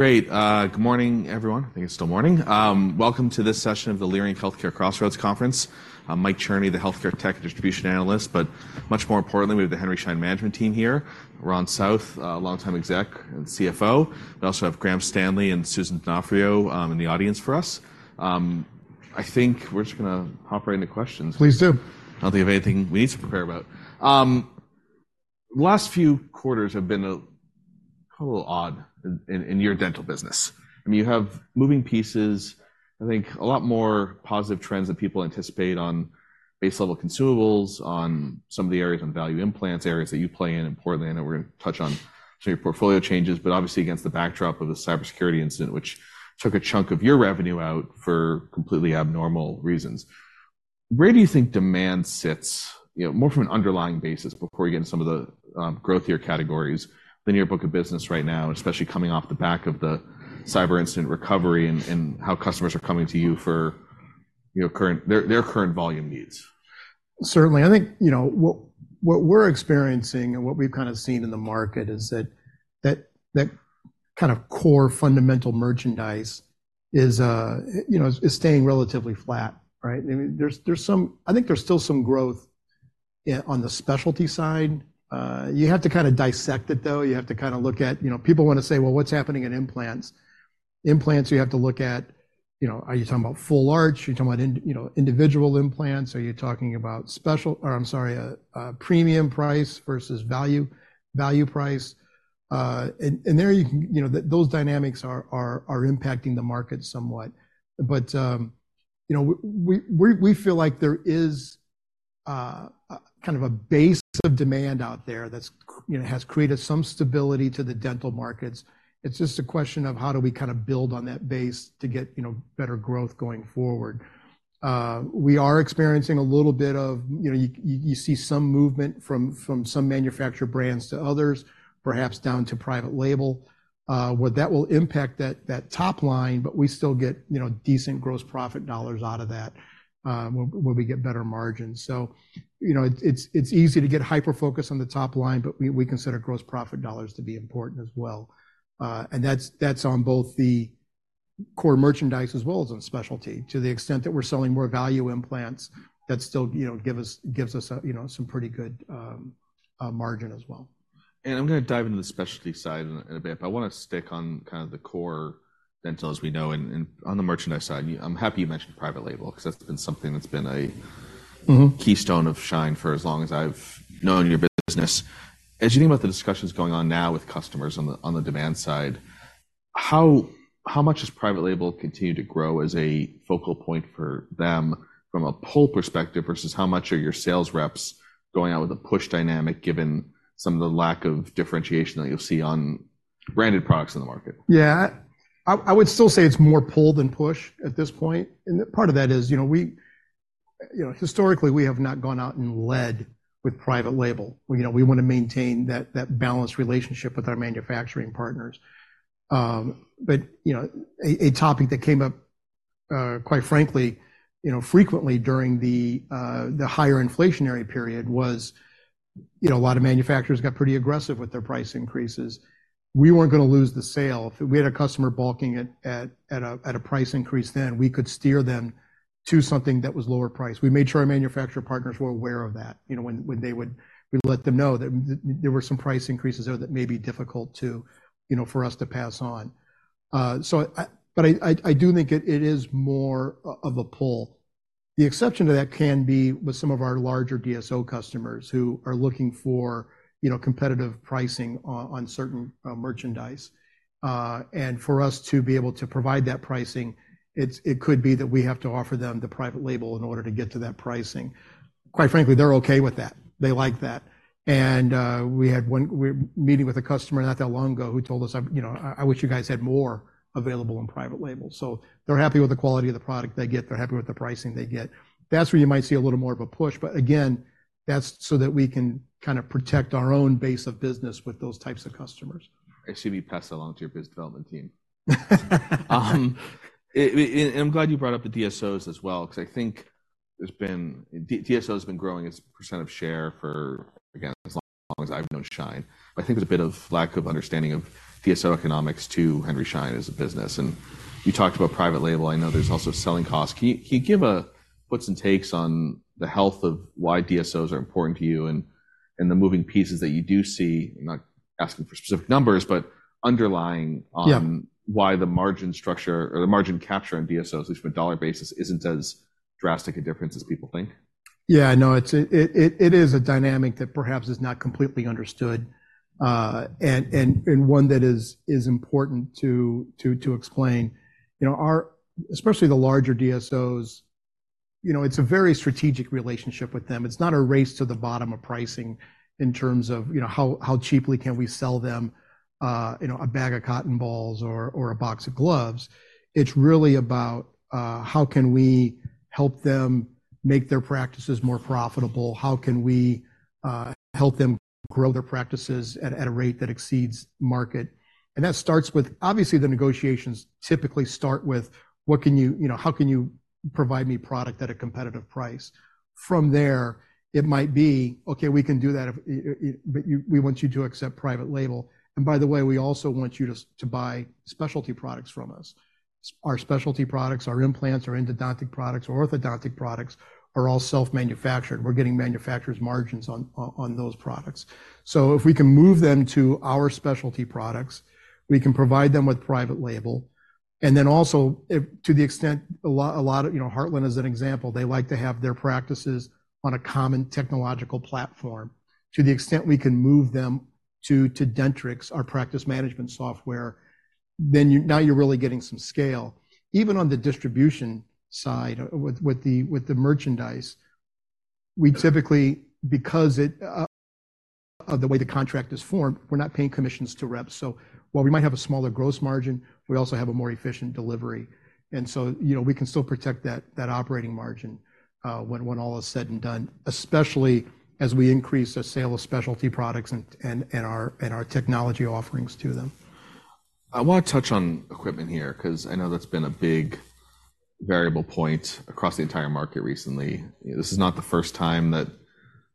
Great. Good morning, everyone. I think it's still morning. Welcome to this session of the Leerink Healthcare Crossroads Conference. I'm Mike Cherny, the healthcare tech distribution analyst, but much more importantly, we have the Henry Schein management team here. Ron South, a longtime exec and CFO. We also have Graham Stanley and Susan D'Onofrio, in the audience for us. I think we're just gonna hop right into questions. Please do. I don't think we have anything we need to prepare about. The last few quarters have been probably odd in your dental business. I mean, you have moving pieces. I think a lot more positive trends that people anticipate on base level consumables, on some of the areas on value implants, areas that you play in. Importantly, I know we're gonna touch on some of your portfolio changes, but obviously against the backdrop of the cybersecurity incident, which took a chunk of your revenue out for completely abnormal reasons. Where do you think demand sits? You know, more from an underlying basis before we get into some of the growthier categories than your book of business right now, especially coming off the back of the cyber incident recovery and how customers are coming to you for, you know, current their current volume needs. Certainly, I think, you know, what we're experiencing and what we've kinda seen in the market is that kind of core fundamental merchandise is, you know, staying relatively flat, right? I mean, there's some—I think there's still some growth on the specialty side. You have to kinda dissect it, though. You have to kinda look at... You know, people wanna say, "Well, what's happening in implants?" Implants, you have to look at, you know, are you talking about full arch? Are you talking about, you know, individual implants? Are you talking about special, or I'm sorry, a premium price versus value, value price? And there you can, you know, those dynamics are impacting the market somewhat. But, you know, we feel like there is kind of a base of demand out there that's, you know, has created some stability to the dental markets. It's just a question of how do we kinda build on that base to get, you know, better growth going forward. We are experiencing a little bit of, you know, you see some movement from some manufacturer brands to others, perhaps down to private label. Well, that will impact that top line, but we still get, you know, decent gross profit dollars out of that, when we get better margins. So, you know, it's easy to get hyper-focused on the top line, but we consider gross profit dollars to be important as well. And that's on both the core merchandise as well as on specialty. To the extent that we're selling more value implants, that's still, you know, gives us, you know, some pretty good margin as well. I'm gonna dive into the specialty side in a bit, but I wanna stick on kind of the core dental, as we know, and on the merchandise side. I'm happy you mentioned private label, 'cause that's been something that's been a- Mm-hmm keystone of Schein for as long as I've known your business. As you think about the discussions going on now with customers on the demand side, how much does private label continue to grow as a focal point for them from a pull perspective, versus how much are your sales reps going out with a push dynamic, given some of the lack of differentiation that you'll see on branded products in the market? Yeah. I would still say it's more pull than push at this point. And part of that is, you know, we, you know, historically, we have not gone out and led with private label. You know, we wanna maintain that balanced relationship with our manufacturing partners. But, you know, a topic that came up, quite frankly, you know, frequently during the higher inflationary period was, you know, a lot of manufacturers got pretty aggressive with their price increases. We weren't gonna lose the sale. If we had a customer balking at a price increase, then we could steer them to something that was lower price. We made sure our manufacturer partners were aware of that, you know, when we let them know that there were some price increases there that may be difficult to, you know, for us to pass on. So, but I do think it is more of a pull. The exception to that can be with some of our larger DSO customers, who are looking for, you know, competitive pricing on certain merchandise. And for us to be able to provide that pricing, it could be that we have to offer them the private label in order to get to that pricing. Quite frankly, they're okay with that. They like that. We're meeting with a customer not that long ago, who told us, "You know, I wish you guys had more available in private label." So they're happy with the quality of the product they get, they're happy with the pricing they get. That's where you might see a little more of a push, but again, that's so that we can kinda protect our own base of business with those types of customers. I see we passed along to your business development team. I'm glad you brought up the DSOs as well, 'cause I think there's been... DSO has been growing as a percent of share for, again, as long as I've known Schein. I think there's a bit of lack of understanding of DSO economics to Henry Schein as a business, and you talked about private label. I know there's also selling costs. Can you give a puts and takes on the health of why DSOs are important to you and the moving pieces that you do see? I'm not asking for specific numbers, but underlying on- Yeah... why the margin structure or the margin capture on DSOs, at least from a dollar basis, isn't as drastic a difference as people think. Yeah, I know, it's a dynamic that perhaps is not completely understood, and one that is important to explain. You know, our especially the larger DSOs, you know, it's a very strategic relationship with them. It's not a race to the bottom of pricing in terms of, you know, how cheaply can we sell them, you know, a bag of cotton balls or a box of gloves. It's really about how can we help them make their practices more profitable? How can we help them grow their practices at a rate that exceeds market. And that starts with. Obviously, the negotiations typically start with: What can you, you know, how can you provide me product at a competitive price? From there, it might be, "Okay, we can do that if—but you, we want you to accept private label. And by the way, we also want you to—to buy specialty products from us." Our specialty products, our implants, our endodontic products, orthodontic products, are all self-manufactured. We're getting manufacturers' margins on those products. So if we can move them to our specialty products, we can provide them with private label, and then also, if to the extent a lot, a lot of... You know, Heartland as an example, they like to have their practices on a common technological platform. To the extent we can move them to Dentrix, our practice management software, then you—now you're really getting some scale. Even on the distribution side, with the merchandise, we typically, because the way the contract is formed, we're not paying commissions to reps. So while we might have a smaller gross margin, we also have a more efficient delivery. And so, you know, we can still protect that operating margin when all is said and done, especially as we increase the sale of specialty products and our technology offerings to them. I want to touch on equipment here, 'cause I know that's been a big variable point across the entire market recently. This is not the first time that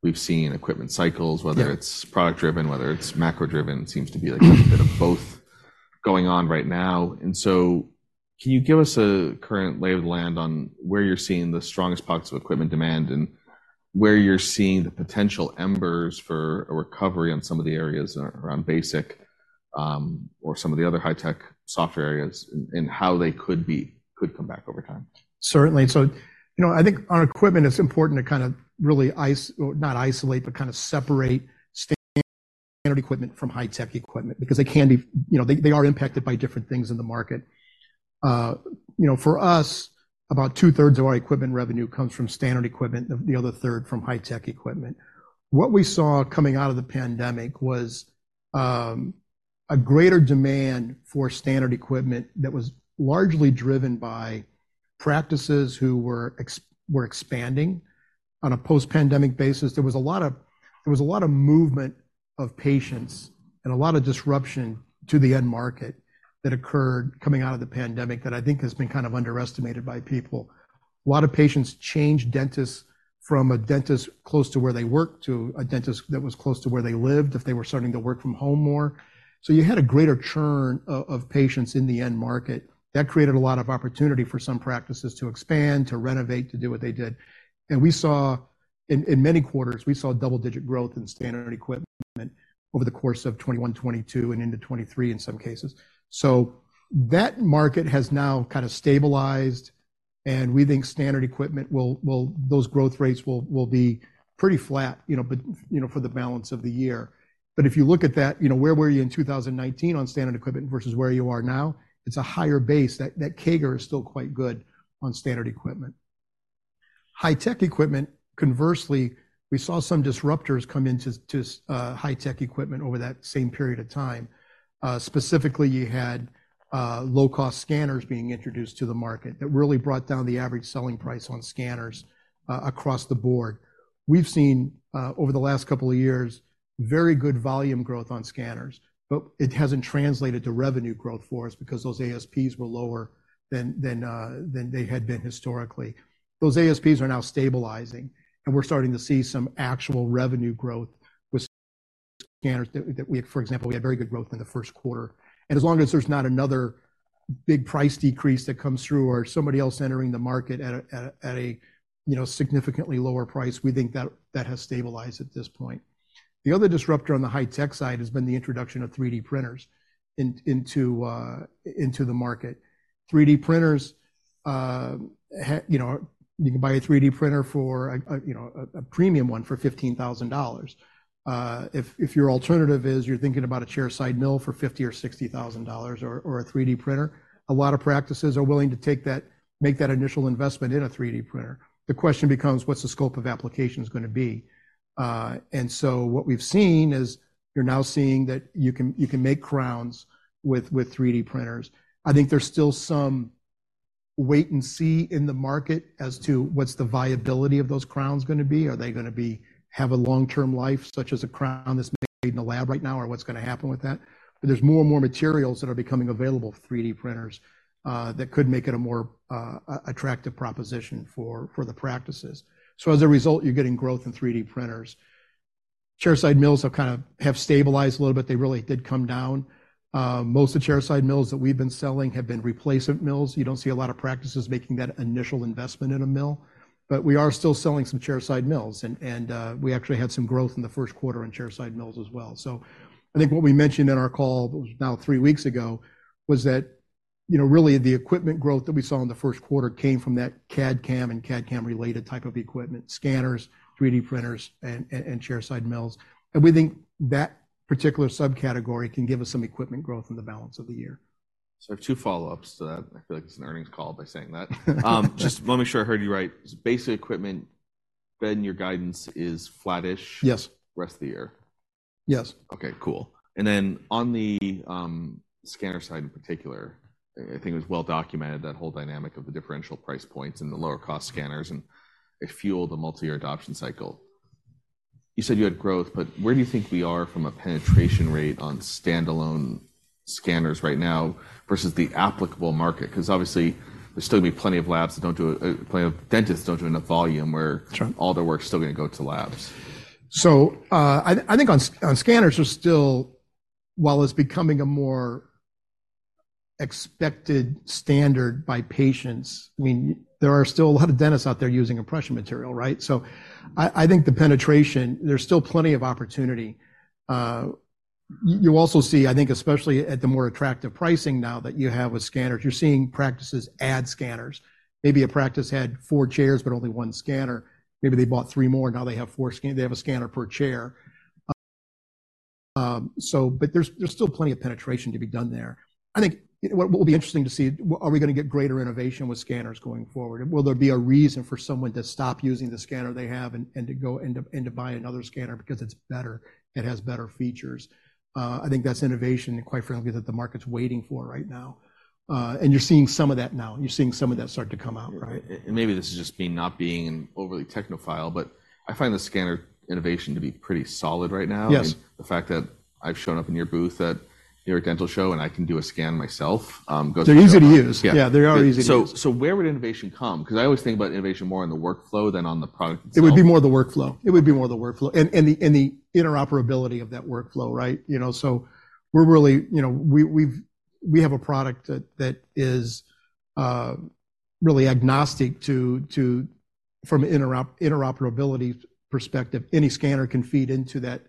we've seen equipment cycles- Yeah... whether it's product-driven, whether it's macro-driven, it seems to be like a bit of both going on right now. And so can you give us a current lay of the land on where you're seeing the strongest pockets of equipment demand, and where you're seeing the potential embers for a recovery on some of the areas around basic, or some of the other high-tech software areas, and how they could come back over time? Certainly. So, you know, I think on equipment, it's important to kind of really not isolate, but kind of separate standard equipment from high-tech equipment, because they can be. You know, they, they are impacted by different things in the market. You know, for us, about two-thirds of our equipment revenue comes from standard equipment, the other third from high-tech equipment. What we saw coming out of the pandemic was, a greater demand for standard equipment that was largely driven by practices who were expanding on a post-pandemic basis. There was a lot of, there was a lot of movement of patients and a lot of disruption to the end market that occurred coming out of the pandemic that I think has been kind of underestimated by people. A lot of patients changed dentists from a dentist close to where they worked to a dentist that was close to where they lived if they were starting to work from home more. So you had a greater churn of patients in the end market. That created a lot of opportunity for some practices to expand, to renovate, to do what they did. We saw, in many quarters, double-digit growth in standard equipment over the course of 2021, 2022, and into 2023, in some cases. So that market has now kind of stabilized, and we think standard equipment will, those growth rates will be pretty flat, you know, but, you know, for the balance of the year. But if you look at that, you know, where were you in 2019 on standard equipment versus where you are now? It's a higher base. That CAGR is still quite good on standard equipment. High-tech equipment, conversely, we saw some disruptors come into high-tech equipment over that same period of time. Specifically, you had low-cost scanners being introduced to the market that really brought down the average selling price on scanners across the board. We've seen over the last couple of years very good volume growth on scanners, but it hasn't translated to revenue growth for us because those ASPs were lower than they had been historically. Those ASPs are now stabilizing, and we're starting to see some actual revenue growth with scanners that we, for example, had very good growth in the first quarter. And as long as there's not another big price decrease that comes through or somebody else entering the market at a you know, significantly lower price, we think that has stabilized at this point. The other disruptor on the high-tech side has been the introduction of 3D printers into the market. 3D printers, you know, you can buy a 3D printer for a you know, a premium one for $15,000. If your alternative is you're thinking about a chairside mill for $50,000-$60,000 or a 3D printer, a lot of practices are willing to take that, make that initial investment in a 3D printer. The question becomes: What's the scope of application is gonna be? So what we've seen is, you're now seeing that you can make crowns with 3D printers. I think there's still some wait and see in the market as to what's the viability of those crowns gonna be. Are they gonna be have a long-term life, such as a crown that's made in a lab right now, or what's gonna happen with that? But there's more and more materials that are becoming available for 3D printers that could make it a more attractive proposition for the practices. So as a result, you're getting growth in 3D printers. Chairside mills have kind of stabilized a little bit. They really did come down. Most of the chairside mills that we've been selling have been replacement mills. You don't see a lot of practices making that initial investment in a mill. But we are still selling some chairside mills, and we actually had some growth in the first quarter in chairside mills as well. So I think what we mentioned in our call, now three weeks ago, was that, you know, really the equipment growth that we saw in the first quarter came from that CAD/CAM and CAD/CAM-related type of equipment, scanners, 3D printers, and chairside mills. And we think that particular subcategory can give us some equipment growth in the balance of the year. So I have two follow-ups to that. I feel like it's an earnings call by saying that. Just let me make sure I heard you right. Basic equipment, then, your guidance is flattish- Yes... rest of the year? Yes. Okay, cool. And then on the scanner side in particular. I think it was well documented, that whole dynamic of the differential price points and the lower cost scanners, and they fuel the multi-year adoption cycle. You said you had growth, but where do you think we are from a penetration rate on standalone scanners right now versus the applicable market? 'Cause obviously, there's still gonna be plenty of labs that don't do plenty of dentists don't do enough volume where- Sure. - All their work's still gonna go to labs. So, I think on scanners, we're still, while it's becoming a more expected standard by patients, I mean, there are still a lot of dentists out there using impression material, right? So I think the penetration, there's still plenty of opportunity. You also see, I think, especially at the more attractive pricing now that you have with scanners, you're seeing practices add scanners. Maybe a practice had four chairs, but only one scanner. Maybe they bought three more, and now they have four scanners. They have a scanner per chair. So but there's still plenty of penetration to be done there. I think, what will be interesting to see, are we gonna get greater innovation with scanners going forward? Will there be a reason for someone to stop using the scanner they have and to go and to buy another scanner because it's better, it has better features? I think that's innovation, and quite frankly, that the market's waiting for right now. You're seeing some of that now. You're seeing some of that start to come out, right? Maybe this is just me not being an overly technophile, but I find the scanner innovation to be pretty solid right now. Yes. The fact that I've shown up in your booth at New York Dental Show, and I can do a scan myself, goes- They're easy to use. Yeah. Yeah, they are easy to use. So, where would innovation come? 'Cause I always think about innovation more in the workflow than on the product itself. It would be more the workflow. It would be more the workflow, and the interoperability of that workflow, right? You know, so we're really, you know, we have a product that is really agnostic to... from an interoperability perspective. Any scanner can feed into that,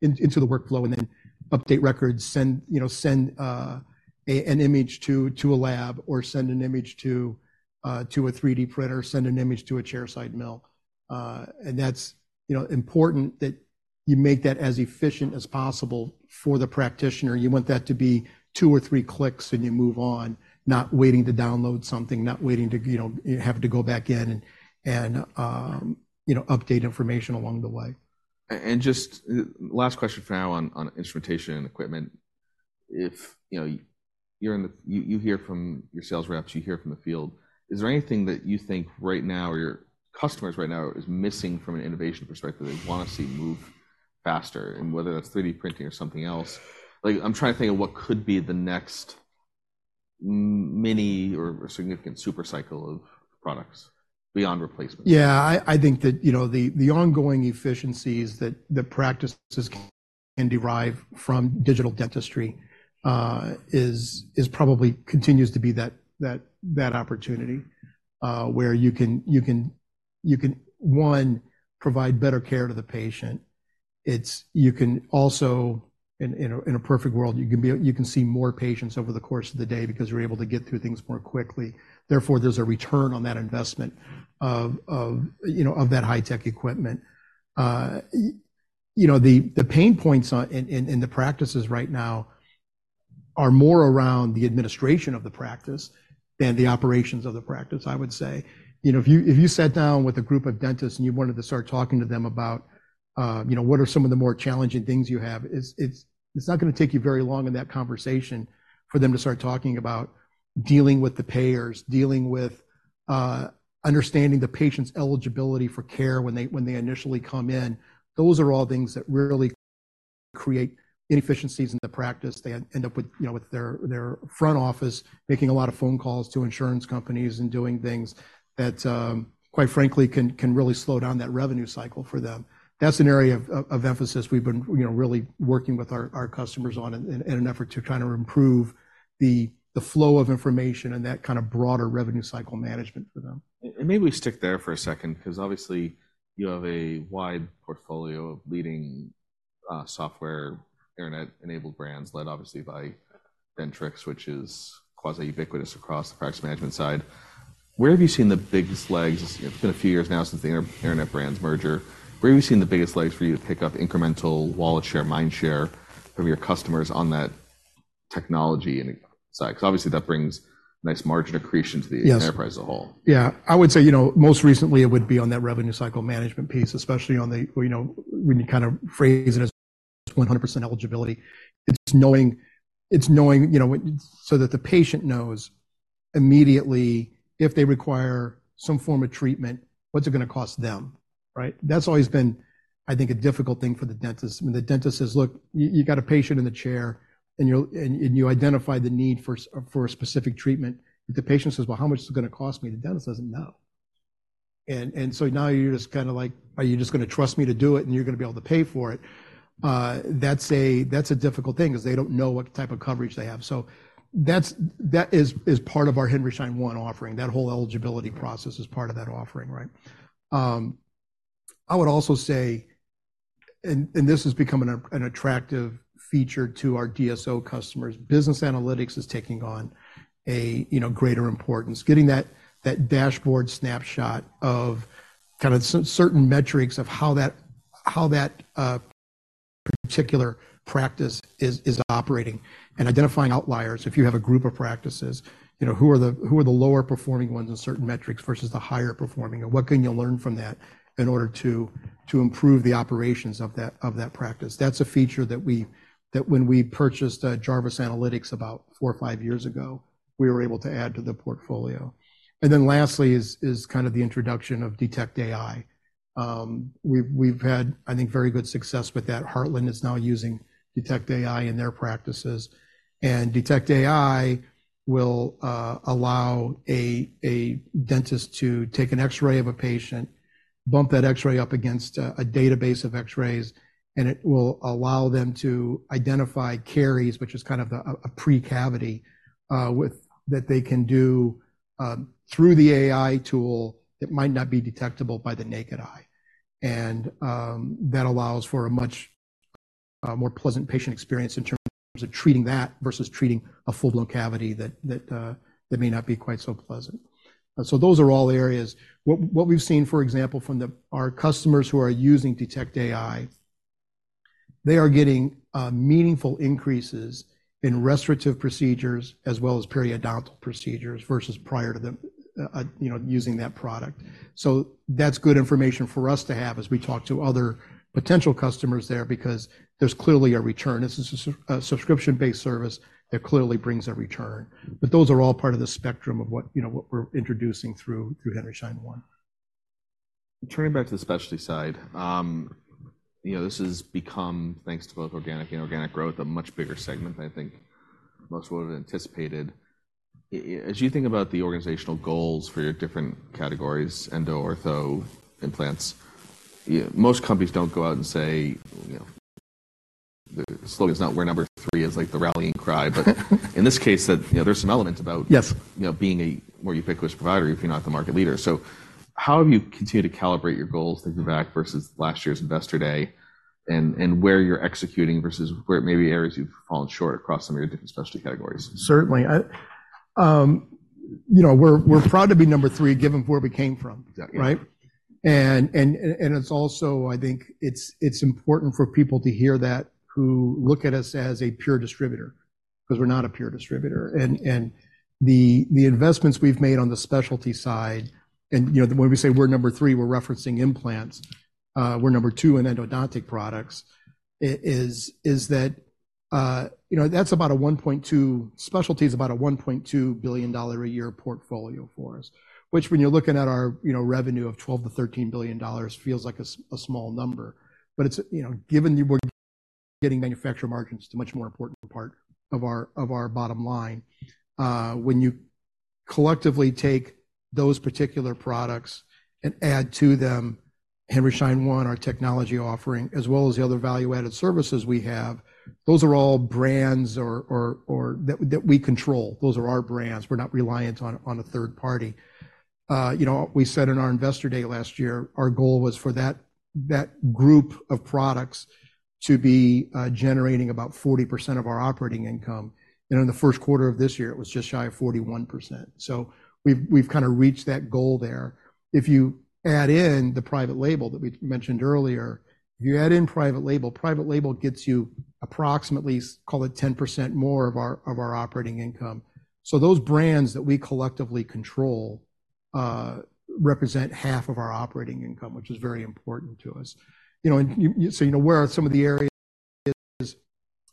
into the workflow and then update records, send, you know, send an image to a lab, or send an image to a 3D printer, or send an image to a chairside mill. And that's, you know, important that you make that as efficient as possible for the practitioner. You want that to be 2 or 3 clicks, and you move on, not waiting to download something, not waiting to, you know, have to go back in and, you know, update information along the way. And just last question for now on instrumentation and equipment. If, you know, you hear from your sales reps, you hear from the field, is there anything that you think right now or your customers right now is missing from an innovation perspective they wanna see move faster? And whether that's 3D printing or something else, like, I'm trying to think of what could be the next mini or significant super cycle of products beyond replacement. Yeah, I think that, you know, the ongoing efficiencies that the practices can derive from digital dentistry is probably continues to be that opportunity, where you can provide better care to the patient. It's. You can also, in a perfect world, you can see more patients over the course of the day because you're able to get through things more quickly. Therefore, there's a return on that investment of, you know, of that high-tech equipment. You know, the pain points in the practices right now are more around the administration of the practice than the operations of the practice, I would say. You know, if you sat down with a group of dentists, and you wanted to start talking to them about, you know, "What are some of the more challenging things you have?" It's not gonna take you very long in that conversation for them to start talking about dealing with the payers, dealing with understanding the patient's eligibility for care when they initially come in. Those are all things that really create inefficiencies in the practice. They end up with, you know, with their front office making a lot of phone calls to insurance companies and doing things that, quite frankly, can really slow down that revenue cycle for them. That's an area of emphasis we've been, you know, really working with our customers on in an effort to try to improve the flow of information and that kind of broader revenue cycle management for them. And maybe we stick there for a second 'cause, obviously, you have a wide portfolio of leading, software, internet-enabled brands, led obviously by Dentrix, which is quasi-ubiquitous across the practice management side. Where have you seen the biggest legs? It's been a few years now since the Internet Brands merger. Where have you seen the biggest legs for you to pick up incremental wallet share, mind share of your customers on that technology side? 'Cause obviously, that brings nice margin accretion to the- Yes... enterprise as a whole. Yeah. I would say, you know, most recently, it would be on that revenue cycle management piece, especially on the, you know, when you kinda phrase it as 100% eligibility. It's knowing, you know, so that the patient knows immediately if they require some form of treatment, what's it gonna cost them, right? That's always been, I think, a difficult thing for the dentist. When the dentist says, "Look, you got a patient in the chair, and you identify the need for a specific treatment." If the patient says, "Well, how much is it gonna cost me?" The dentist doesn't know. So now you're just kinda like: "Are you just gonna trust me to do it, and you're gonna be able to pay for it?" That's a difficult thing 'cause they don't know what type of coverage they have. So that's part of our Henry Schein One offering. That whole eligibility process is part of that offering, right? I would also say, and this is becoming an attractive feature to our DSO customers, business analytics is taking on a greater importance. Getting that dashboard snapshot of kind of certain metrics of how that particular practice is operating and identifying outliers. If you have a group of practices, you know, who are the lower performing ones in certain metrics versus the higher performing, and what can you learn from that in order to improve the operations of that practice? That's a feature that when we purchased Jarvis Analytics about 4 or 5 years ago, we were able to add to the portfolio. And then lastly is kind of the introduction of Detect AI. We've had, I think, very good success with that. Heartland is now using Detect AI in their practices. Detect AI will allow a dentist to take an X-ray of a patient, bump that X-ray up against a database of X-rays, and it will allow them to identify caries, which is kind of a pre-cavity that they can do through the AI tool that might not be detectable by the naked eye. That allows for a much more pleasant patient experience in terms of treating that versus treating a full-blown cavity that may not be quite so pleasant. Those are all areas. What we've seen, for example, from our customers who are using Detect AI, they are getting meaningful increases in restorative procedures as well as periodontal procedures versus prior to them you know using that product. So that's good information for us to have as we talk to other potential customers there, because there's clearly a return. This is a, a subscription-based service that clearly brings a return. But those are all part of the spectrum of what, you know, what we're introducing through, through Henry Schein One. Turning back to the specialty side, you know, this has become, thanks to both organic and inorganic growth, a much bigger segment than I think most would have anticipated. As you think about the organizational goals for your different categories, endo, ortho, implants, yeah, most companies don't go out and say, you know, the slogan's not, "We're number three," as, like, the rallying cry. But in this case, that, you know, there's some elements about- Yes you know, being a more ubiquitous provider if you're not the market leader. So how have you continued to calibrate your goals, think back versus last year's investor day, and, and where you're executing versus where it may be areas you've fallen short across some of your different specialty categories? Certainly. I, you know, we're proud to be number three, given where we came from. Yeah. Right? And it's also, I think it's important for people to hear that who look at us as a pure distributor, because we're not a pure distributor. And the investments we've made on the specialty side, and, you know, when we say we're number three, we're referencing implants, we're number two in endodontic products. Is that, you know, that's about a $1.2 billion a year portfolio for us, which, when you're looking at our, you know, revenue of $12 billion-$13 billion, feels like a small number. But it's, you know, given we're getting manufacturer margins, it's a much more important part of our, of our bottom line. When you collectively take those particular products and add to them, Henry Schein One, our technology offering, as well as the other value-added services we have, those are all brands or that we control. Those are our brands. We're not reliant on a third party. You know, we said in our Investor Day last year, our goal was for that group of products to be generating about 40% of our operating income, and in the first quarter of this year, it was just shy of 41%. So we've kinda reached that goal there. If you add in the private label that we mentioned earlier, if you add in private label, private label gets you approximately, call it 10% more of our operating income. So those brands that we collectively control represent half of our operating income, which is very important to us. You know, so you know, where some of the areas are,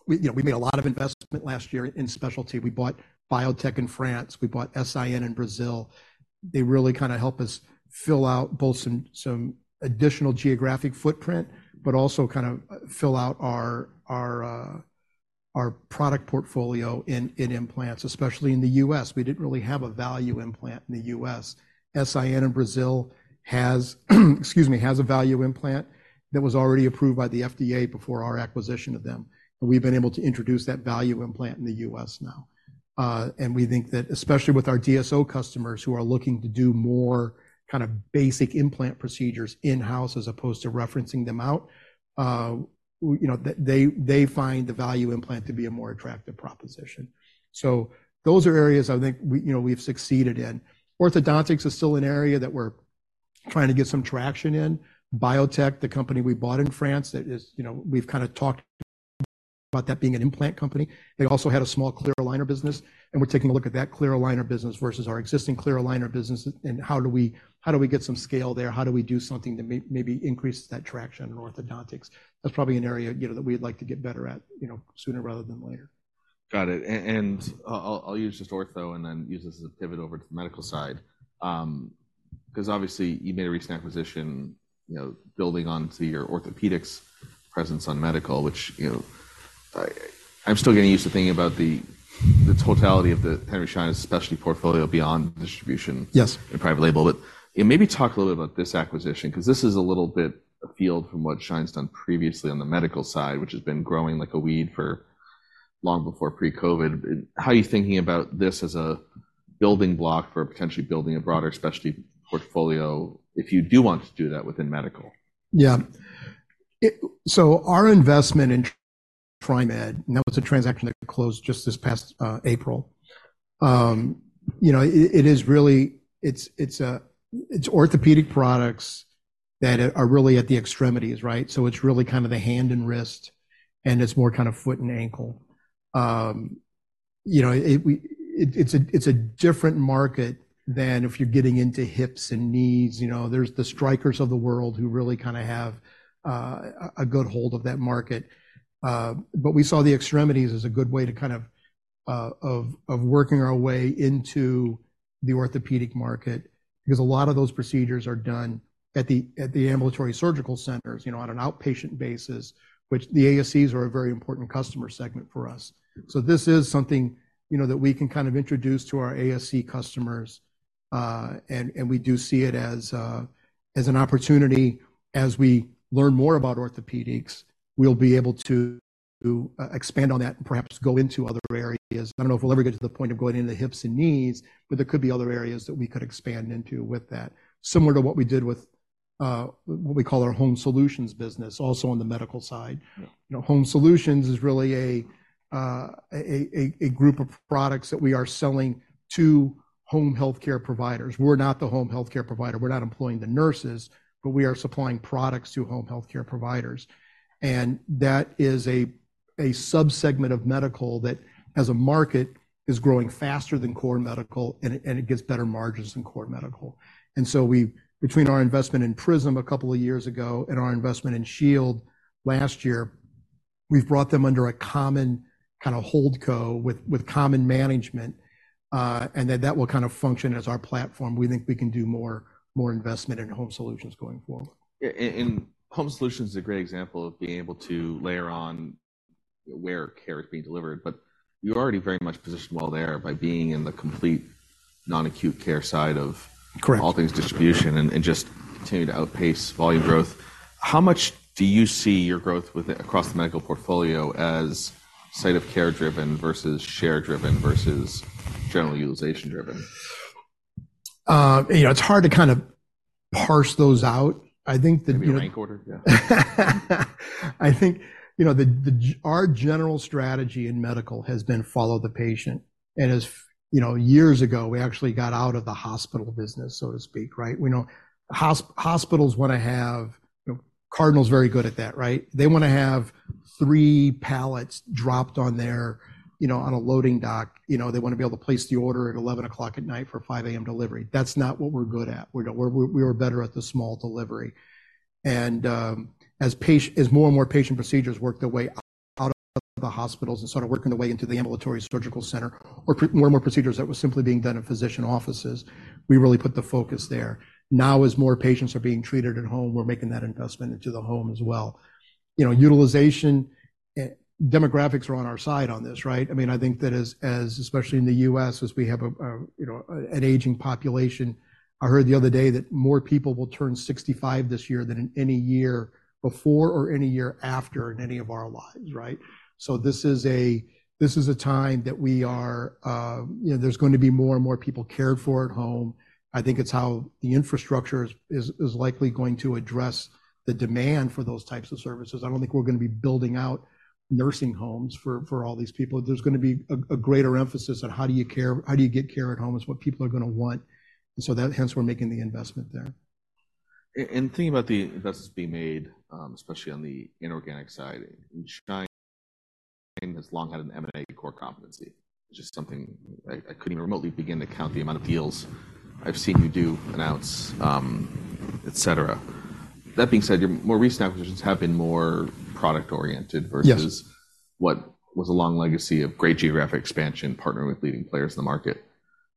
you know, we made a lot of investment last year in specialty. We bought Biotech in France, we bought S.I.N in Brazil. They really kinda help us fill out both some additional geographic footprint, but also kind of fill out our our product portfolio in implants, especially in the U.S. We didn't really have a value implant in the U.S. S.I.N in Brazil has, excuse me, has a value implant that was already approved by the FDA before our acquisition of them. And we've been able to introduce that value implant in the U.S. now. And we think that, especially with our DSO customers, who are looking to do more kind of basic implant procedures in-house as opposed to referencing them out, you know, they find the value implant to be a more attractive proposition. So those are areas I think we, you know, we've succeeded in. Orthodontics is still an area that we're trying to get some traction in. Biotech, the company we bought in France, that is, you know, we've kinda talked about that being an implant company. They also had a small clear aligner business, and we're taking a look at that clear aligner business versus our existing clear aligner business, and how do we get some scale there? How do we do something to maybe increase that traction in orthodontics? That's probably an area, you know, that we'd like to get better at, you know, sooner rather than later. Got it. And I'll use just ortho and then use this as a pivot over to the medical side. 'Cause obviously, you made a recent acquisition, you know, building onto your orthopedics presence on medical, which, you know, I'm still getting used to thinking about the totality of the Henry Schein specialty portfolio beyond distribution- Yes... and private label. But, yeah, maybe talk a little bit about this acquisition, 'cause this is a little bit afield from what Schein's done previously on the medical side, which has been growing like a weed for a long time before pre-COVID. How are you thinking about this as a building block for potentially building a broader specialty portfolio if you do want to do that within medical? Yeah. It so our investment in TriMed, and that was a transaction that closed just this past April. You know, it is really—it's orthopedic products that are really at the extremities, right? So it's really kind of the hand and wrist, and it's more kind of foot and ankle. You know, it's a different market than if you're getting into hips and knees. You know, there's the Strykers of the world who really kind of have a good hold of that market. But we saw the extremities as a good way to kind of, of working our way into the orthopedic market, because a lot of those procedures are done at the ambulatory surgical centers, you know, on an outpatient basis, which the ASCs are a very important customer segment for us. So this is something, you know, that we can kind of introduce to our ASC customers. And we do see it as an opportunity as we learn more about orthopedics. We'll be able to expand on that and perhaps go into other areas. I don't know if we'll ever get to the point of going into the hips and knees, but there could be other areas that we could expand into with that. Similar to what we did with what we call our Home Solutions business, also on the medical side. Yeah. You know, Home Solutions is really a group of products that we are selling to home healthcare providers. We're not the home healthcare provider. We're not employing the nurses, but we are supplying products to home healthcare providers. And that is a subsegment of medical that, as a market, is growing faster than core medical, and it gets better margins than core medical. And so we, between our investment in Prism a couple of years ago and our investment in Shield last year, we've brought them under a common kind of hold co with common management, and that will kind of function as our platform. We think we can do more investment in Home Solutions going forward. Yeah, and Home Solutions is a great example of being able to layer on where care is being delivered, but you're already very much positioned well there by being in the complete non-acute care side of- Correct. All things distribution and, and just continue to outpace volume growth. How much do you see your growth with it across the medical portfolio as site of care driven, versus share driven, versus general utilization driven? You know, it's hard to kind of parse those out. I think the- Maybe rank order? Yeah. I think, you know, our general strategy in medical has been follow the patient. And as you know, years ago, we actually got out of the hospital business, so to speak, right? We know hospitals wanna have... You know, Cardinal is very good at that, right? They wanna have three pallets dropped on their, you know, on a loading dock. You know, they wanna be able to place the order at 11:00 P.M. for 5:00 A.M. delivery. That's not what we're good at. We are better at the small delivery. And, as more and more patient procedures work their way out of the hospitals and start working their way into the ambulatory surgical center, or more and more procedures that were simply being done in physician offices, we really put the focus there. Now, as more patients are being treated at home, we're making that investment into the home as well. You know, utilization, demographics are on our side on this, right? I mean, I think that as, especially in the U.S., as we have a, you know, an aging population, I heard the other day that more people will turn 65 this year than in any year before or any year after in any of our lives, right? So this is a time that we are, you know, there's going to be more and more people cared for at home. I think it's how the infrastructure is likely going to address the demand for those types of services. I don't think we're gonna be building out nursing homes for all these people. There's gonna be a greater emphasis on how do you get care at home is what people are gonna want. And so that, hence we're making the investment there. Thinking about the investments being made, especially on the inorganic side, Schein has long had an M&A core competency, which is something I, I couldn't even remotely begin to count the amount of deals I've seen you do, announce, etc. That being said, your more recent acquisitions have been more product-oriented- Yes. -versus what was a long legacy of great geographic expansion, partnering with leading players in the market.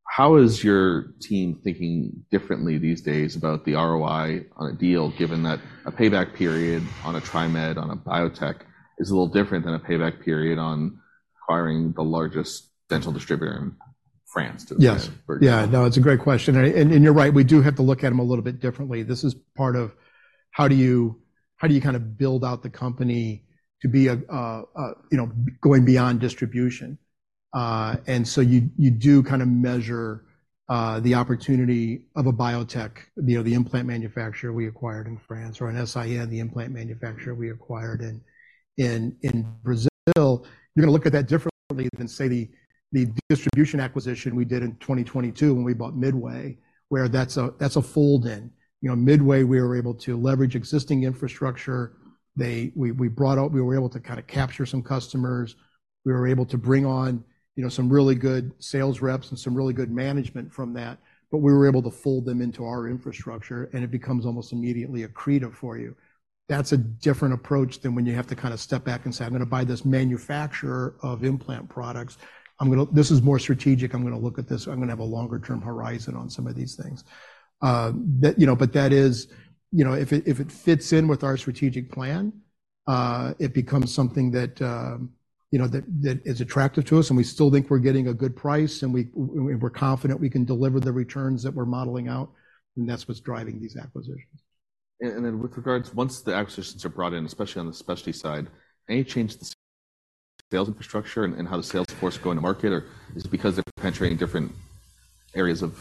How is your team thinking differently these days about the ROI on a deal, given that a payback period on a TriMed, on a biotech, is a little different than a payback period on acquiring the largest dental distributor in France? Yes. Yeah. No, it's a great question. And you're right, we do have to look at them a little bit differently. This is part of how do you kind of build out the company to be a, you know, going beyond distribution? And so you do kind of measure the opportunity of a Biotech, you know, the implant manufacturer we acquired in France, or an S.I.N., the implant manufacturer we acquired in Brazil. You're gonna look at that differently than, say, the distribution acquisition we did in 2022 when we bought Midway, where that's a fold in. You know, Midway, we were able to leverage existing infrastructure. We were able to kind of capture some customers. We were able to bring on, you know, some really good sales reps and some really good management from that, but we were able to fold them into our infrastructure, and it becomes almost immediately accretive for you. That's a different approach than when you have to kind of step back and say, "I'm gonna buy this manufacturer of implant products. I'm gonna... This is more strategic. I'm gonna look at this. I'm gonna have a longer-term horizon on some of these things." That, you know, but that is... You know, if it, if it fits in with our strategic plan, it becomes something that, you know, that, that is attractive to us, and we still think we're getting a good price, and we, we're confident we can deliver the returns that we're modeling out, and that's what's driving these acquisitions. And then with regards, once the acquisitions are brought in, especially on the specialty side, any change to the sales infrastructure and how the sales force go into market, or is it because they're penetrating different areas of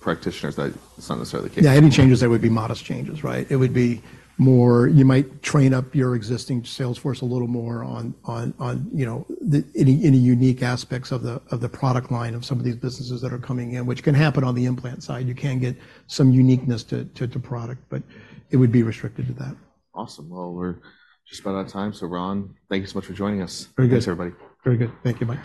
practitioners that it's not necessarily the case? U.S. Yeah, any changes there would be modest changes, right? It would be more, you might train up your existing sales force a little more on you know any unique aspects of the product line of some of these businesses that are coming in, which can happen on the implant side. You can get some uniqueness to product, but it would be restricted to that. Awesome. Well, we're just about out of time, so Ron, thank you so much for joining us. Very good. Thanks, everybody. Very good. Thank you, Mike.